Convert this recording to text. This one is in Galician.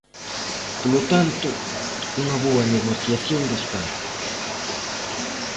Polo tanto, unha boa negociación do Estado.